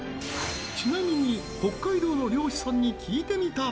ちなみに北海道の漁師さんに聞いてみた！